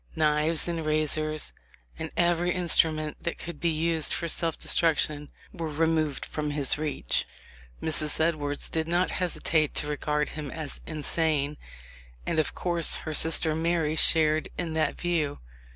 "Knives and razors, and every instrument that could be used for self destruction were removed from his reach.''* Mrs. Edwards did not hesitate to regard him as insane, and of course her sister Alary shared in that view.